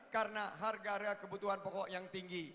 karena harga harga kebutuhan pokok yang tinggi